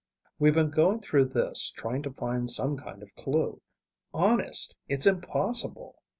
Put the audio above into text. "We've been going through this, trying to find some kind of clue. Honest, it's impossible."